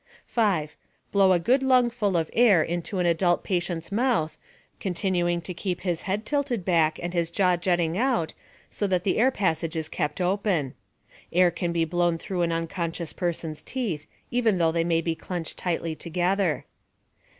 5. Blow a good lungful of air into an adult patient's mouth, continuing to keep his head tilted back and his jaw jutting out so that the air passage is kept open. (Air can be blown through an unconscious person's teeth, even though they may be clenched tightly together.)